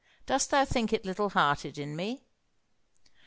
Dost thou think it little hearted in me?"